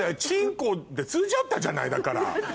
チンコで通じ合ったじゃないだから。